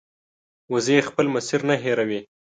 وزې خپل مسیر نه هېروي